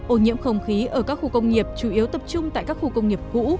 ô nhiễm không khí ở các khu công nghiệp chủ yếu tập trung tại các khu công nghiệp cũ